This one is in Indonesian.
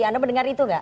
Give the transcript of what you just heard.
anda mendengar itu gak